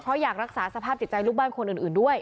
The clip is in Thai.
เพราะอยากรักษาสภาพจิตใจลูกบ้านคนอื่นด้วย